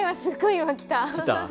今来た。